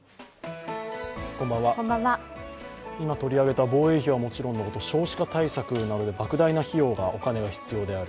今、取り上げた防衛費はもちろんのこと、少子化対策などでばく大なお金が必要である。